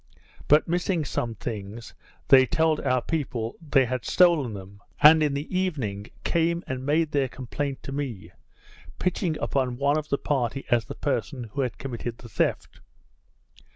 But missing some things, they told our people they had stolen them; and in the evening, came and made their complaint to me, pitching upon one of the party as the person who had committed the theft.